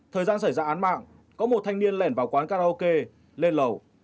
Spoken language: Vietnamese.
thời gian xảy ra án mạng có một thanh niên lẻn vào quán karaoke lên lẩu